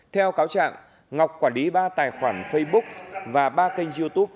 theo cáo trạng ngọc quản lý ba tài khoản facebook và ba kênh youtube